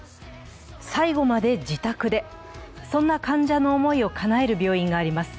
最期まで自宅で、そんな患者の思いをかなえる病院かぎあります。